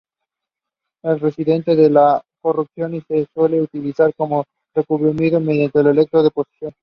Es resistente a la corrosión y se suele utilizar como recubrimiento, mediante electro deposición.